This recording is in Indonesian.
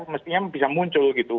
mestinya bisa muncul gitu